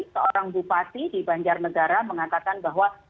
seorang bupati di banjar negara mengatakan bahwa